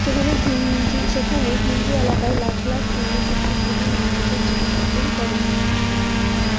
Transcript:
সেখানে ঘিঞ্জি এলাকায় লাখ লাখ স্বর্ণশিল্পী খুবই মানবেতর জীবন যাপন করেন।